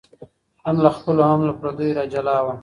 هم له خپلو هم پردیو را جلا وه